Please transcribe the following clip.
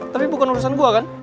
tapi bukan urusan gua kan